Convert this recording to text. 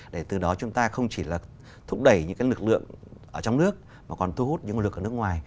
để từ đó chúng ta không chỉ là thúc đẩy những lực lượng ở trong nước mà còn thu hút những nguồn lực ở nước ngoài